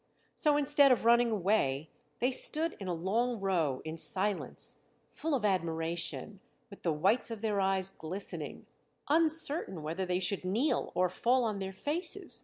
So, instead of running away, they stood in a long row in silence, full of admiration, with the whites of their eyes glistening, uncertain whether they should kneel or fall on their faces.